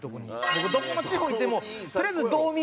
僕どこの地方行ってもとりあえずドーミーイン。